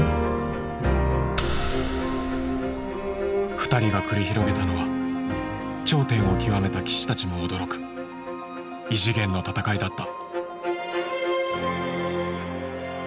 ２人が繰り広げたのは頂点を極めた棋士たちも驚く異次元の戦いだった。